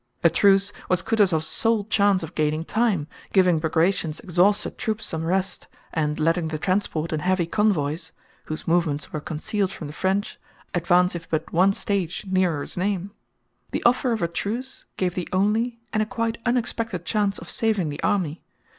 A truce was Kutúzov's sole chance of gaining time, giving Bagratión's exhausted troops some rest, and letting the transport and heavy convoys (whose movements were concealed from the French) advance if but one stage nearer Znaim. The offer of a truce gave the only, and a quite unexpected, chance of saving the army.